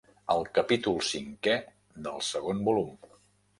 El capítol cinquè del segon volum.